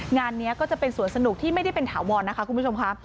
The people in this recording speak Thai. งานนี้ก็จะเป็นสวนสนุกที่ไม่ได้เป็นถาวรนะคะคุณผู้ชมค่ะ